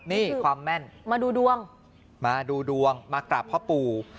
นี่ความแม่นมาดูดวงมาดูดวงมากราบพ่อปู่